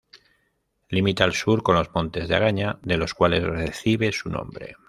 Limita al sur con los Montes de Agaña, de los cuales recibe su nombre.